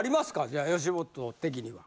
じゃあ吉本的には。